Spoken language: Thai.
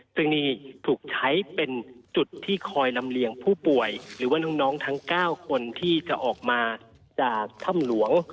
ซึ่งนี่ถูกใช้เป็นจุดที่คอยลำเลียงผู้ป่วยหรือว่าน้องทั้ง๙คนที่จะออกมาจากถ้ำหลวง